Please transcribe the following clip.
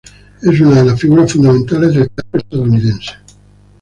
Es una de las figuras fundamentales del teatro estadounidense.